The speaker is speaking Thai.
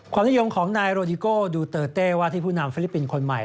นิยมของนายโรดิโกดูเตอร์เต้ว่าที่ผู้นำฟิลิปปินส์คนใหม่